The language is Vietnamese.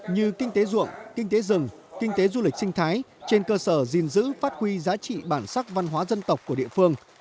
như kinh tế ruộng kinh tế rừng kinh tế du lịch sinh thái trên cơ sở gìn giữ phát huy giá trị bản sắc văn hóa dân tộc của địa phương